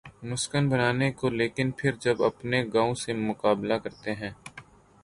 مسکن بنانے کو لیکن پھر جب اپنے گاؤں سے مقابلہ کرتے ہیں۔